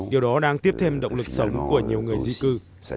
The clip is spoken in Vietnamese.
điều đó đang tiếp thêm động lực sống của nhiều người di cư